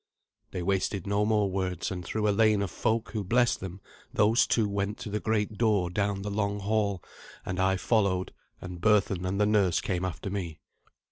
They wasted no more words; and through a lane of folk, who blessed them, those two went to the great door down the long hall, and I followed, and Berthun and the nurse came after me.